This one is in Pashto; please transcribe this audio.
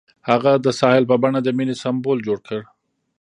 هغه د ساحل په بڼه د مینې سمبول جوړ کړ.